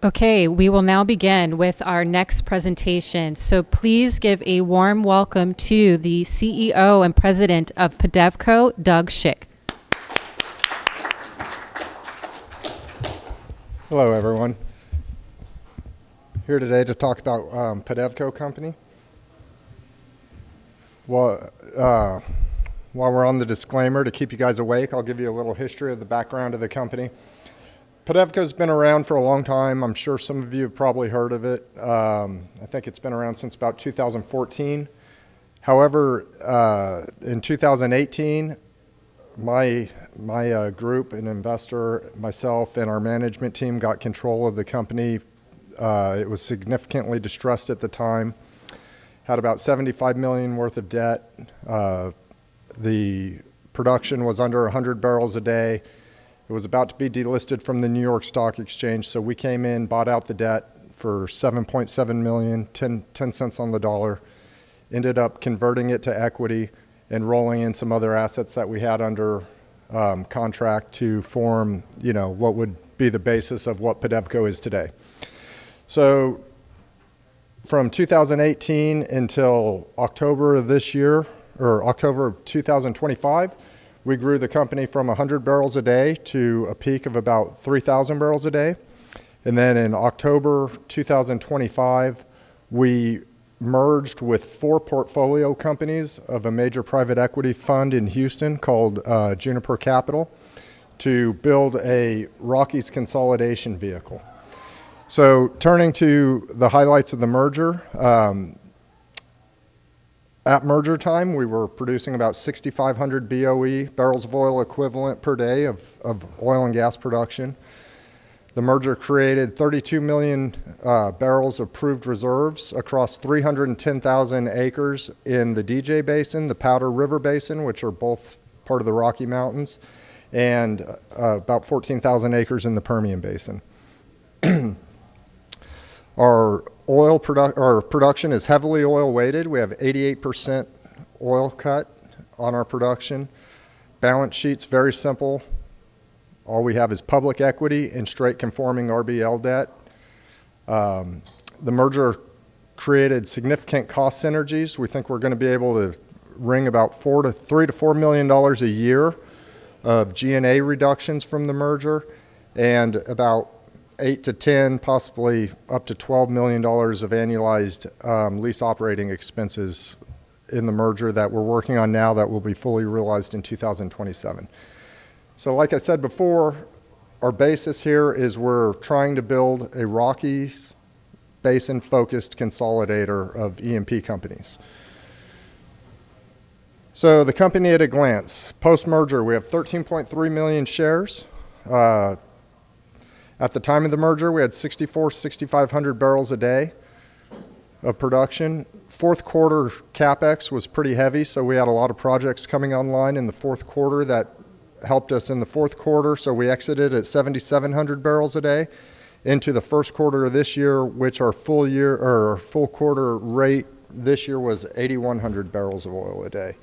Thank you so much. Okay, we will now begin with our next presentation. Please give a warm welcome to the CEO and President of PEDEVCO, Doug Schick. Hello, everyone. Here today to talk about PEDEVCO company. Well, while we're on the disclaimer to keep you guys awake, I'll give you a little history of the background of the company. PEDEVCO's been around for a long time. I'm sure some of you have probably heard of it. I think it's been around since about 2014. However, in 2018, my group, an investor, myself, and our management team got control of the company. It was significantly distressed at the time. Had about $75 million worth of debt. The production was under 100 barrels a day. It was about to be delisted from the New York Stock Exchange. We came in, bought out the debt for $7.7 million, $0.10 on the dollar. Ended up converting it to equity and rolling in some other assets that we had under contract to form, you know, what would be the basis of what PEDEVCO is today. From 2018 until October of this year or October of 2025, we grew the company from 100 barrels a day to a peak of about 3,000 barrels a day. In October 2025, we merged with four portfolio companies of a major private equity fund in Houston called Juniper Capital to build a Rockies consolidation vehicle. Turning to the highlights of the merger, At merger time, we were producing about 6,500 BOE, barrels of oil equivalent per day of oil and gas production. The merger created 32 million barrels of proved reserves across 310,000 acres in the D-J Basin, the Powder River Basin, which are both part of the Rocky Mountains, and about 14,000 acres in the Permian Basin. Our production is heavily oil weighted. We have 88% oil cut on our production. Balance sheet's very simple. All we have is public equity and straight conforming RBL debt. The merger created significant cost synergies. We think we're gonna be able to wring about $3 million-$4 million a year of G&A reductions from the merger and about $8 million-$10 million, possibly up to $12 million of annualized lease operating expenses in the merger that we're working on now that will be fully realized in 2027. Like I said before, our basis here is we're trying to build a Rockies Basin-focused consolidator of E&P companies. The company at a glance. Post-merger, we have 13.3 million shares. At the time of the merger, we had 6,500 barrels a day of production. Fourth quarter CapEx was pretty heavy, we had a lot of projects coming online in the fourth quarter that helped us in the fourth quarter. We exited at 7,700 barrels a day into the first quarter of this year, which our full year or full quarter rate this year was 8,100 barrels of oil a day.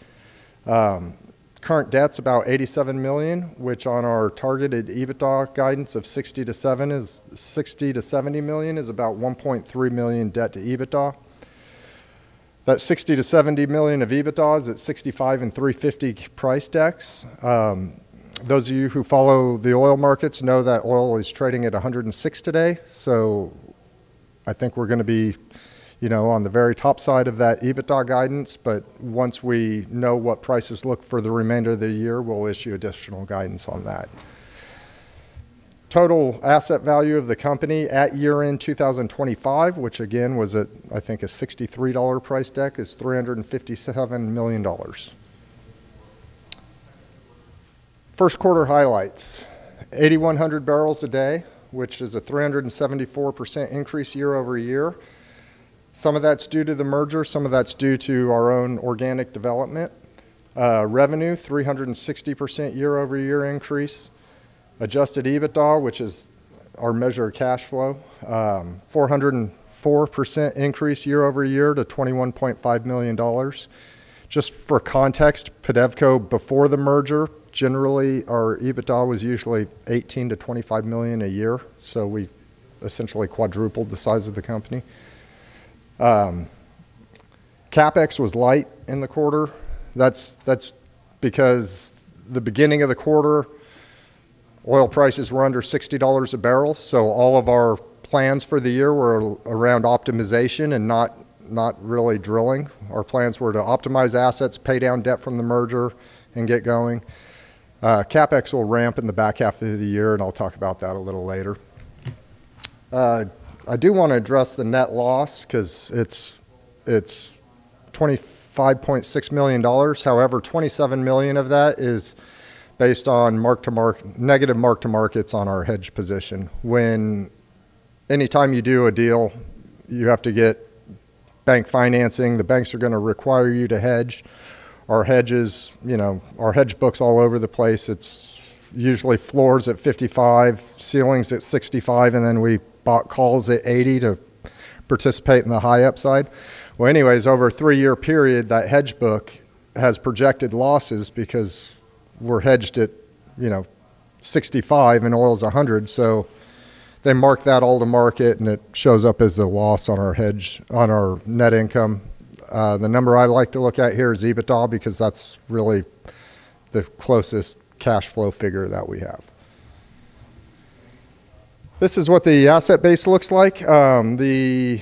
Current debt's about $87 million, which on our targeted EBITDA guidance of $60 million-$70 million is about $1.3 million debt to EBITDA. That $60 million-$70 million of EBITDA is at $65 and $3.50 price decks. Those of you who follow the oil markets know that oil is trading at 106 today, I think we're gonna be, you know, on the very top side of that EBITDA guidance. Once we know what prices look for the remainder of the year, we'll issue additional guidance on that. Total asset value of the company at year-end 2025, which again was at, I think, a $63 price deck, is $357 million. First quarter highlights. 8,100 barrels a day, which is a 374% increase year-over-year. Some of that's due to the merger, some of that's due to our own organic development. Revenue, 360% year-over-year increase. Adjusted EBITDA, which is our measure of cash flow, 404% increase year-over-year to $21.5 million. Just for context, PEDEVCO before the merger, generally our EBITDA was usually $18 million-$25 million a year, so we essentially quadrupled the size of the company. CapEx was light in the quarter. That's because the beginning of the quarter, oil prices were under $60 a barrel, so all of our plans for the year were around optimization and not really drilling. Our plans were to optimize assets, pay down debt from the merger, and get going. CapEx will ramp in the back half of the year, and I'll talk about that a little later. I do wanna address the net loss 'cause it's $25.6 million. However, $27 million of that is based on negative mark to markets on our hedge position. Anytime you do a deal, you have to get bank financing. The banks are gonna require you to hedge. Our hedge is, you know, our hedge book's all over the place. It's usually floors at 55, ceilings at 65, and then we bought calls at 80 to participate in the high upside. Well, anyways, over a three-year period, that hedge book has projected losses because we're hedged at, you know, 65 and oil's 100. They mark that all to market, and it shows up as a loss on our hedge, on our net income. The number I like to look at here is EBITDA because that's really the closest cash flow figure that we have. This is what the asset base looks like. The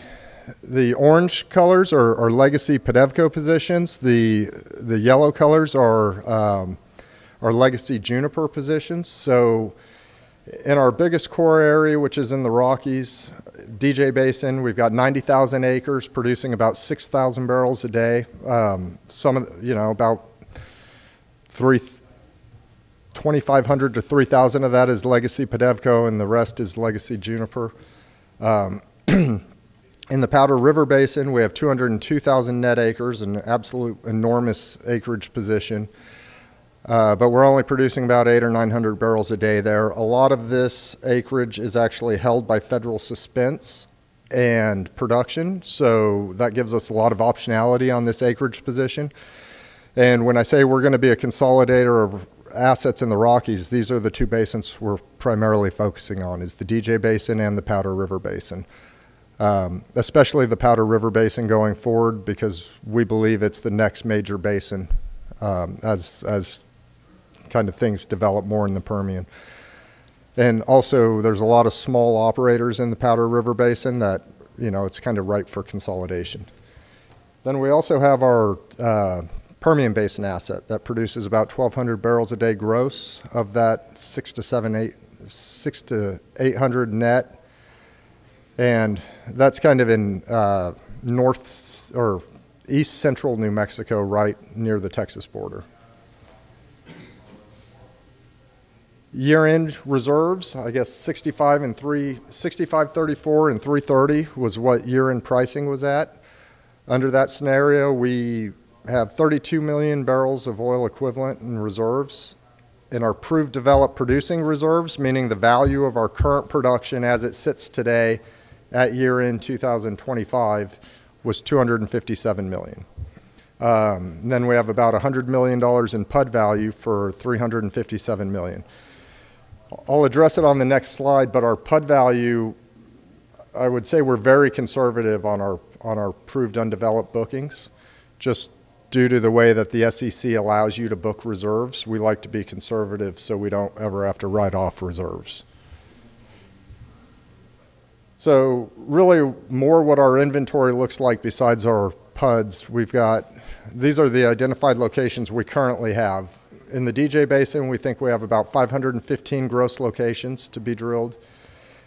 orange colors are legacy PEDEVCO positions. The yellow colors are legacy Juniper positions. In our biggest core area, which is in the Rockies, D-J Basin, we've got 90,000 acres producing about 6,000 barrels a day. You know, about 2,500 to 3,000 of that is legacy PEDEVCO, and the rest is legacy Juniper. In the Powder River Basin, we have 202,000 net acres, an absolute enormous acreage position, but we're only producing about 800-900 barrels a day there. A lot of this acreage is actually held by federal suspense and production, that gives us a lot of optionality on this acreage position. When I say we're gonna be a consolidator of assets in the Rockies, these are the two basins we're primarily focusing on, is the D-J Basin and the Powder River Basin. Especially the Powder River Basin going forward because we believe it's the next major basin, as kind of things develop more in the Permian. Also, there's a lot of small operators in the Powder River Basin that, you know, it's kind of ripe for consolidation. We also have our Permian Basin asset that produces about 1,200 barrels a day gross. Of that, 600-800 net. That's kind of in, north or east central New Mexico, right near the Texas border. Year-end reserves, I guess $65.34 and $3.30 was what year-end pricing was at. Under that scenario, we have 32 million barrels of oil equivalent in reserves. In our proved developed producing reserves, meaning the value of our current production as it sits today at year-end 2025 was $257 million. We have about $100 million in PUD value for $357 million. I'll address it on the next slide, but our PUD value, I would say we're very conservative on our, on our proved undeveloped bookings, just due to the way that the SEC allows you to book reserves. We like to be conservative, so we don't ever have to write off reserves. Really more what our inventory looks like besides our PUDs, these are the identified locations we currently have. In the D-J Basin, we think we have about 515 gross locations to be drilled.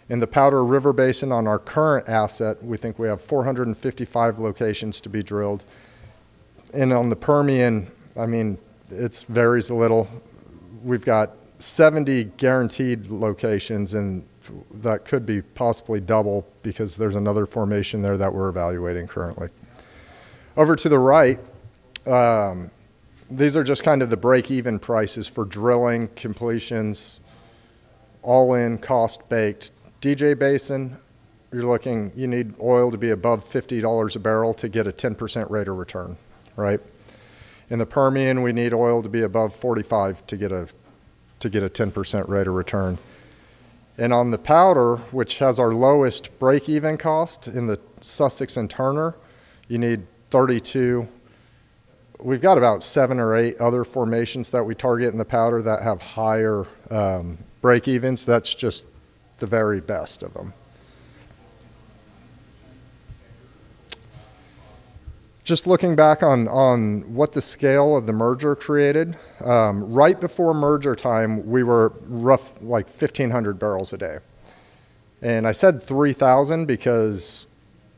In the Powder River Basin on our current asset, we think we have 455 locations to be drilled. On the Permian, I mean, it's varies a little. We've got 70 guaranteed locations, and that could be possibly double because there's another formation there that we're evaluating currently. Over to the right, these are just kind of the break-even prices for drilling completions all in cost baked. D-J Basin, you need oil to be above $50 a barrel to get a 10% rate of return, right? In the Permian, we need oil to be above $45 to get a 10% rate of return. On the Powder, which has our lowest break-even cost in the Sussex and Turner, you need $32. We've got about seven or eight other formations that we target in the Powder that have higher, break evens. That's just the very best of them. Just looking back on what the scale of the merger created, right before merger time, we were rough like 1,500 barrels a day. I said 3,000 because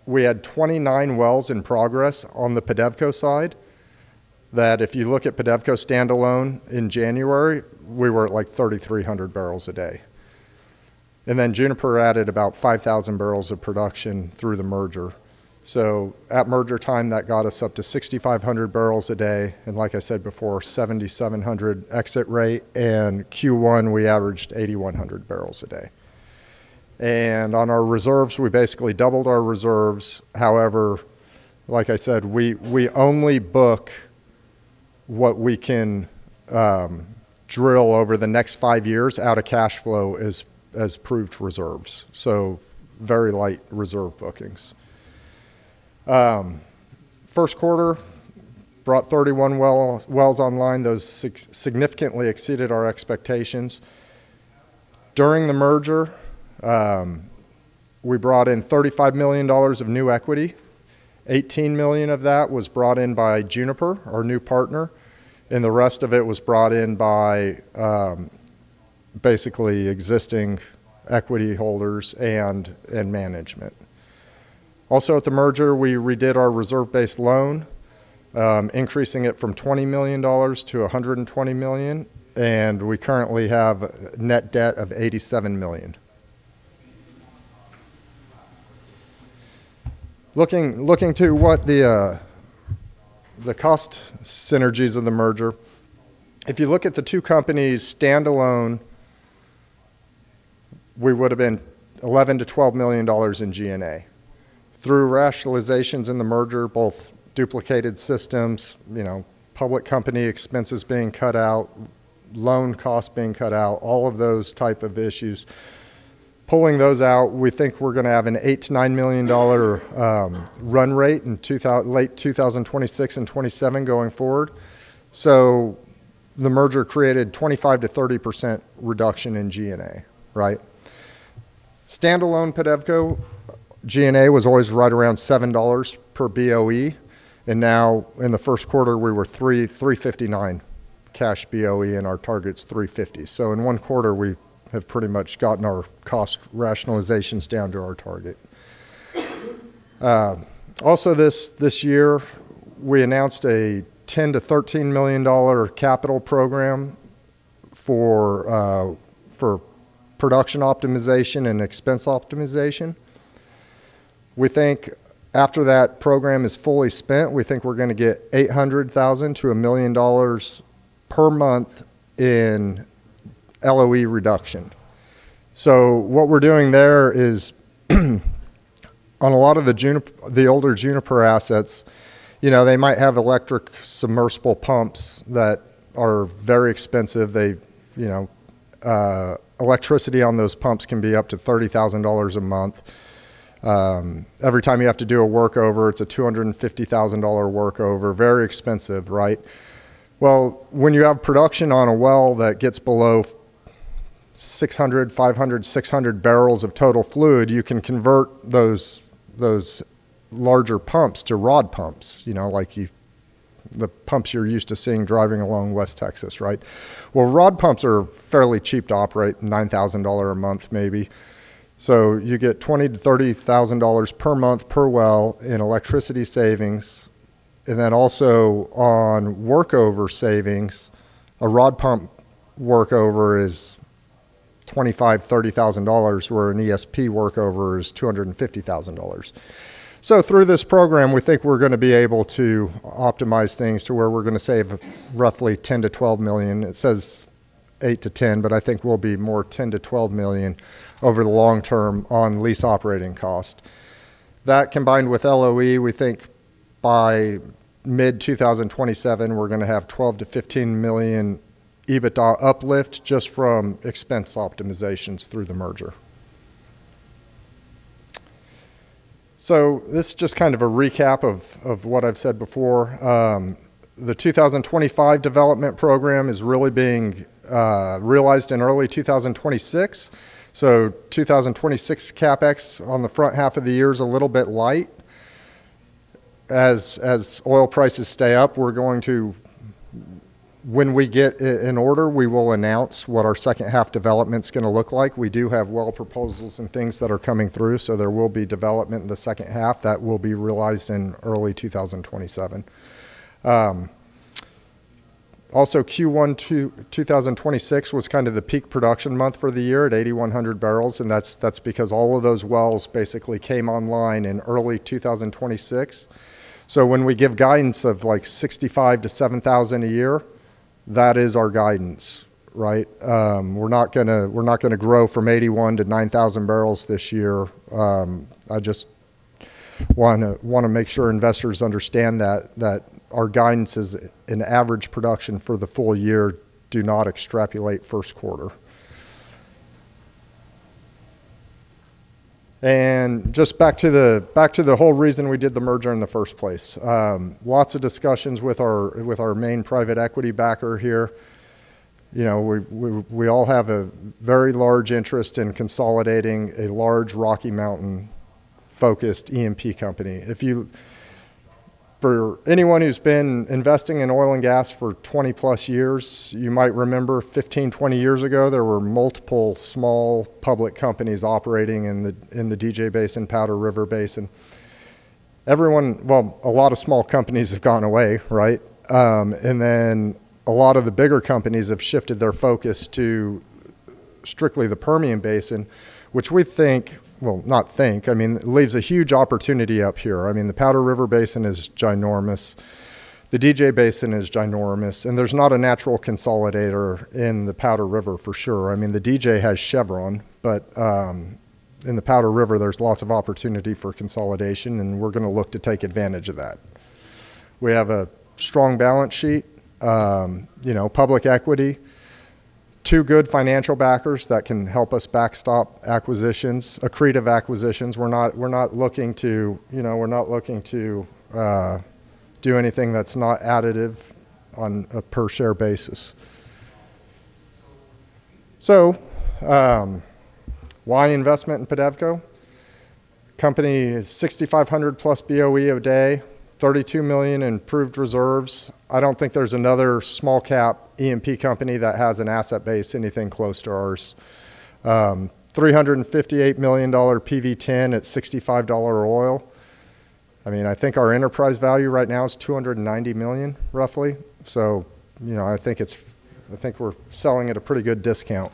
we had 29 wells in progress on the PEDEVCO side that if you look at PEDEVCO standalone in January, we were at like 3,300 barrels a day. Juniper added about 5,000 barrels of production through the merger. At merger time, that got us up to 6,500 barrels a day, and like I said before, 7,700 exit rate, Q1, we averaged 8,100 barrels a day. On our reserves, we basically doubled our reserves. However, like I said, we only book what we can drill over the next five years out of cash flow as proved reserves. Very light reserve bookings. First quarter brought 31 wells online. Those significantly exceeded our expectations. During the merger, we brought in $35 million of new equity. $18 million of that was brought in by Juniper, our new partner, and the rest of it was brought in by basically existing equity holders and management. Also at the merger, we redid our reserve-based loan, increasing it from $20 million to $120 million, and we currently have net debt of $87 million. Looking to what the cost synergies of the merger, if you look at the two companies standalone, we would have been $11 million-$12 million in G&A. Through rationalizations in the merger, both duplicated systems, you know, public company expenses being cut out, loan costs being cut out, all of those type of issues. Pulling those out, we think we're gonna have an $8million-$9 million run rate in late 2026 and 2027 going forward. The merger created 25%-30% reduction in G&A, right? Standalone PEDEVCO, G&A was always right around $7 per BOE, and now in the first quarter, we were $3.59 cash BOE, and our target's $3.50. In 1 quarter, we have pretty much gotten our cost rationalizations down to our target. Also this year, we announced a $10 million-$13 million capital program for production optimization and expense optimization. We think after that program is fully spent, we think we're going to get $800,000 to $1 million per month in LOE reduction. What we're doing there is on a lot of the older Juniper assets, you know, they might have electric submersible pumps that are very expensive. They, you know, electricity on those pumps can be up to $30,000 a month. Every time you have to do a workover, it's a $250,000 workover. Very expensive, right? When you have production on a well that gets below 600, 500, 600 barrels of total fluid, you can convert those larger pumps to rod pumps. You know, the pumps you're used to seeing driving along West Texas, right? Rod pumps are fairly cheap to operate, $9,000 a month maybe. You get $20,000-$30,000 per month per well in electricity savings. On workover savings, a rod pump workover is $25,000-$30,000, where an ESP workover is $250,000. Through this program, we think we're gonna be able to optimize things to where we're gonna save roughly $10 million-$12 million. It says $8 million-$10 million, but I think we'll be more $10 million-$12 million over the long term on lease operating cost. That combined with LOE, we think by mid 2027, we're gonna have $12 million-$15 million EBITDA uplift just from expense optimizations through the merger. This is just kind of a recap of what I've said before. The 2025 development program is really being realized in early 2026. So 2026 CapEx on the front half of the year is a little bit light. As oil prices stay up, when we get in order, we will announce what our second half development's gonna look like. We do have well proposals and things that are coming through, so there will be development in the second half that will be realized in early 2027. Also Q1 2026 was kind of the peak production month for the year at 8,100 barrels, and that's because all of those wells basically came online in early 2026. When we give guidance of, like, 6,500-7,000 a year, that is our guidance, right? We're not gonna grow from 8,100-9,000 barrels this year. I just wanna make sure investors understand that our guidance is an average production for the full year. Do not extrapolate first quarter. Just back to the whole reason we did the merger in the first place. Lots of discussions with our main private equity backer here. You know, we all have a very large interest in consolidating a large Rocky Mountain-focused E&P company. For anyone who's been investing in oil and gas for 20+ years, you might remember 15, 20 years ago, there were multiple small public companies operating in the D-J Basin, Powder River Basin. Well, a lot of small companies have gone away, right? A lot of the bigger companies have shifted their focus to strictly the Permian Basin, which we think, well, not think, I mean, leaves a huge opportunity up here. I mean, the Powder River Basin is ginormous. The D-J Basin is ginormous. There's not a natural consolidator in the Powder River for sure. I mean, the D-J has Chevron, in the Powder River, there's lots of opportunity for consolidation, and we're gonna look to take advantage of that. We have a strong balance sheet, you know, public equity, two good financial backers that can help us backstop acquisitions, accretive acquisitions. We're not looking to, you know, we're not looking to do anything that's not additive on a per share basis. Why investment in PEDEVCO? Company is 6,500+ BOE a day, 32 million in proved reserves. I don't think there's another small cap E&P company that has an asset base anything close to ours. $358 million PV-10 at $65 oil. I mean, I think our enterprise value right now is $290 million roughly. You know, I think we're selling at a pretty good discount.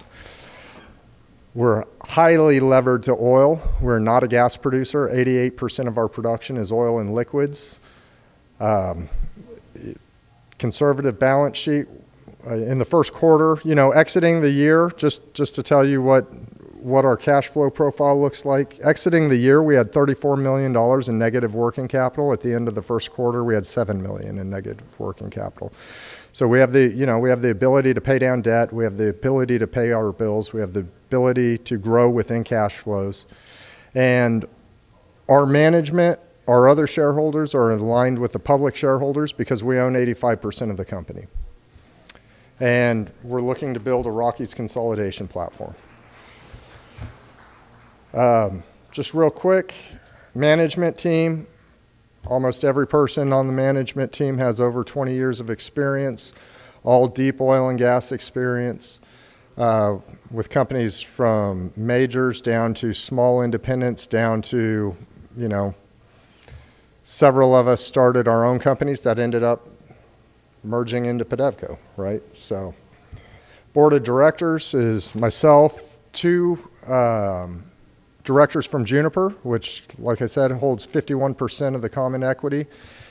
We're highly levered to oil. We're not a gas producer. 88% of our production is oil and liquids. Conservative balance sheet. In the first quarter, you know, exiting the year, just to tell you what our cash flow profile looks like. Exiting the year, we had $34 million in negative working capital. At the end of the first quarter, we had $7 million in negative working capital. You know, we have the ability to pay down debt. We have the ability to pay our bills. We have the ability to grow within cash flows. Our management, our other shareholders are aligned with the public shareholders because we own 85% of the company. We're looking to build a Rockies consolidation platform. Just real quick, management team. Almost every person on the management team has over 20 years of experience, all deep oil and gas experience, with companies from majors down to small independents down to, you know Several of us started our own companies that ended up merging into PEDEVCO, right? Board of directors is myself, two, directors from Juniper, which like I said, holds 51% of the common equity,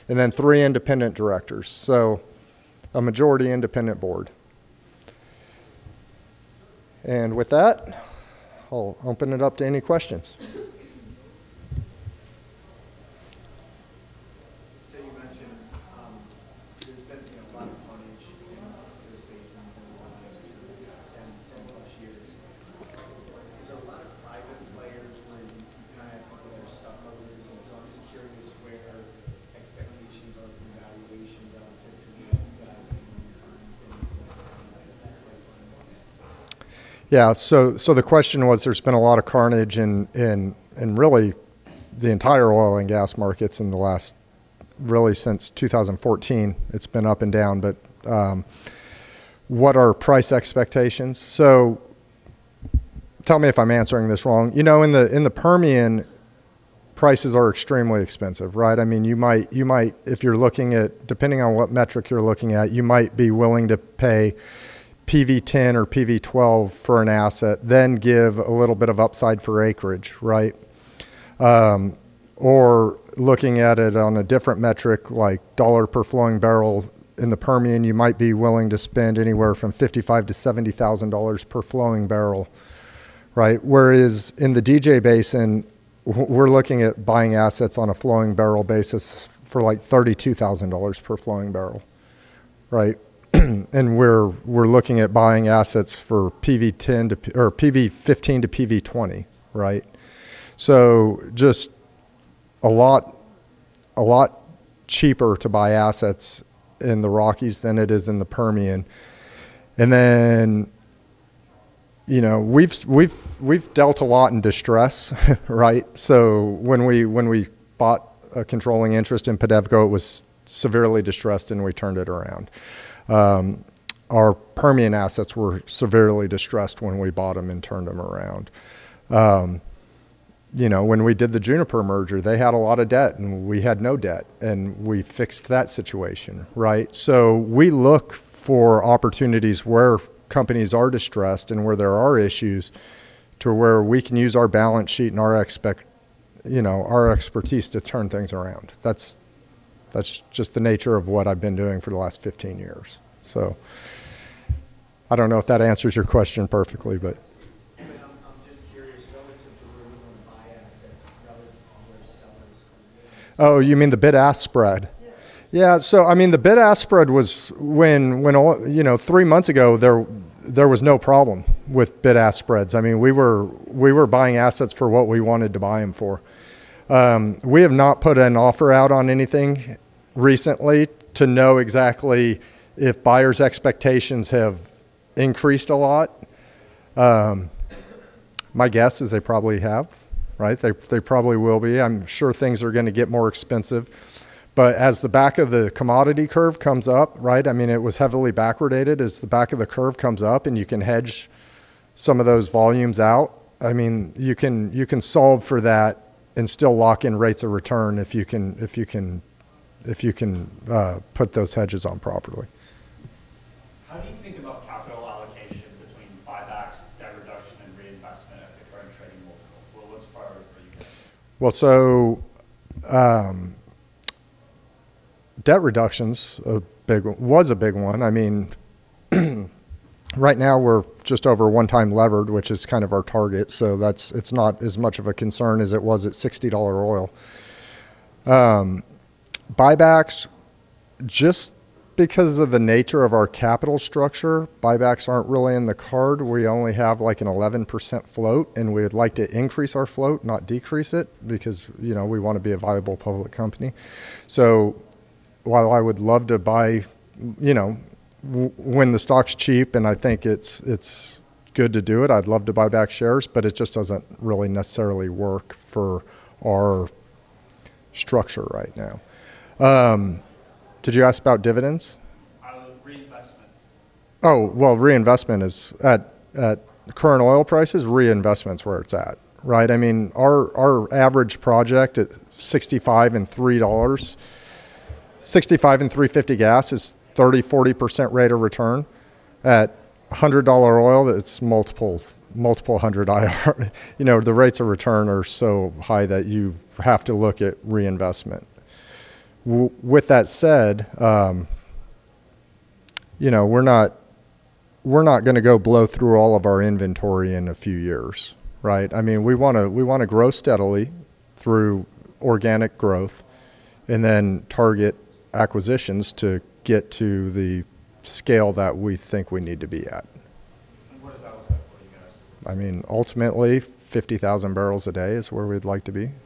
and then three independent directors. A majority independent board. With that, I'll open it up to any questions. You mentioned, there's been, you know, a lot of carnage in those basins in the last 10+ years. There's a lot of private players when you kind of look at their stock holders, I'm just curious where expectations of valuation relative. Yeah. The question was there's been a lot of carnage in really the entire oil and gas markets in the last really since 2014. It's been up and down. What are price expectations? Tell me if I'm answering this wrong. You know, in the Permian, prices are extremely expensive, right? I mean, you might if you're looking at depending on what metric you're looking at, you might be willing to pay PV-10 or PV-12 for an asset, give a little bit of upside for acreage, right? Looking at it on a different metric, like dollar per flowing barrel. In the Permian, you might be willing to spend anywhere from $55,000-$70,000 per flowing barrel, right? Whereas in the D-J Basin, we're looking at buying assets on a flowing barrel basis for like $32,000 per flowing barrel, right? We're looking at buying assets for PV-10 to or PV-15 to PV-20, right? Just a lot cheaper to buy assets in the Rockies than it is in the Permian. You know, we've dealt a lot in distress, right? When we bought a controlling interest in PEDEVCO, it was severely distressed, and we turned it around. Our Permian assets were severely distressed when we bought them and turned them around. You know, when we did the Juniper merger, they had a lot of debt and we had no debt, and we fixed that situation, right? We look for opportunities where companies are distressed and where there are issues to where we can use our balance sheet and our expertise to turn things around. That's just the nature of what I've been doing for the last 15 years. I don't know if that answers your question perfectly. I'm just curious, relative to where you want to buy assets relative to where sellers. Oh, you mean the bid-ask spread? Yeah. Yeah. I mean, the bid-ask spread was, you know, three months ago, there was no problem with bid-ask spreads. I mean, we were buying assets for what we wanted to buy them for. We have not put an offer out on anything recently to know exactly if buyers' expectations have increased a lot. My guess is they probably have, right? They probably will be. I'm sure things are gonna get more expensive. As the back of the commodity curve comes up, right? I mean, it was heavily backwardated. As the back of the curve comes up and you can hedge some of those volumes out, I mean, you can solve for that and still lock in rates of return if you can put those hedges on properly. How do you think about capital allocation between buybacks, debt reduction and reinvestment at the current trading multiple? What's priority for you guys? Well, debt reduction was a big one. I mean, right now we're just over 1 time levered, which is kind of our target. That's not as much of a concern as it was at $60 oil. Buybacks, just because of the nature of our capital structure, buybacks aren't really in the card. We only have like an 11% float, we'd like to increase our float, not decrease it, because, you know, we wanna be a viable public company. While I would love to buy, you know, when the stock's cheap and I think it's good to do it, I'd love to buy back shares, it just doesn't really necessarily work for our structure right now. Did you ask about dividends? Reinvestments. Oh, well, reinvestment is at current oil prices, reinvestment's where it's at, right? I mean, our average project at 65 and $3. 65 and $3.50 gas is 30%-40% rate of return. At $100 oil, it's multiple hundred IR. You know, the rates of return are so high that you have to look at reinvestment. With that said, you know, we're not gonna go blow through all of our inventory in a few years, right? I mean, we wanna grow steadily through organic growth and then target acquisitions to get to the scale that we think we need to be at. What does that look like for you guys? I mean, ultimately, 50,000 barrels a day is where we'd like to be. 50,000 barrels.